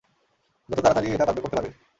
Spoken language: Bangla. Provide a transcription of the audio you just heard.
যত তাড়াতাড়ি এটা করতে পারবে।